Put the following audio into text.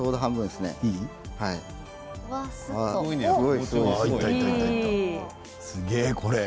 すげえ、これ。